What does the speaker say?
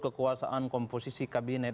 kekuasaan komposisi kabinet